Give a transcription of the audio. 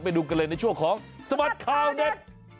ไปดูกันเลยในช่วงของสบัดข่าวเด็ด